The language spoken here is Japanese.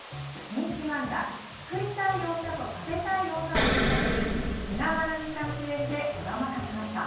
人気漫画「作りたい女と食べたい女」を原作に比嘉愛未さん主演でドラマ化しました。